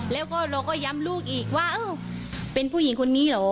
แล้วก็เราก็ย้ำลูกอีกว่าเอ้าเป็นผู้หญิงคนนี้เหรอ